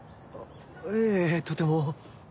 ええとても。